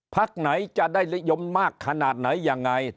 พักไหนจะได้นิยมมากขนาดไหนยังไง